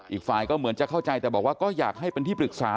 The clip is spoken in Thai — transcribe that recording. อีกฝ่ายก็เหมือนจะเข้าใจแต่บอกว่าก็อยากให้เป็นที่ปรึกษา